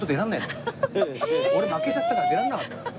俺負けちゃったから出られなかった。